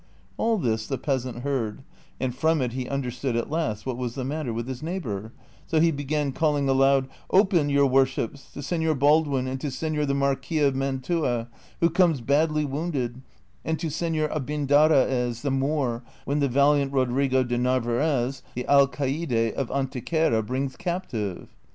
All this the peasant heard, and from it he understood at last what was the matter with his neighbor, so he began calling aloud, " Open, your worships, to Sefior Baldwin and to Sefior the Marquis of Mantua, who comes badly wounded,' and to Sefior Abindarraez, the Moor, whom the valiant Kod rigo de ISTarvaez, the Alcaide of Antequera, brings captive."